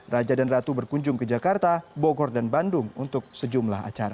raja dan ratu berkunjung ke jakarta bogor dan bandung untuk sejumlah acara